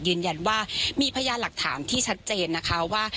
ยืนยันว่ามีพยานหลักฐานที่ชัดเจนนะคะว่า